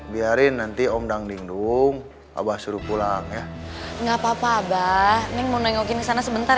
biarin nanti om dangdingdung abah suruh pulang ya nggak papa abah neng mau nengokin sana sebentar